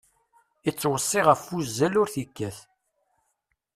Ittweṣṣi ɣef wuzzal ur t-ikkat.